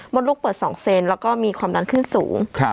ดลูกเปิด๒เซนแล้วก็มีความดันขึ้นสูง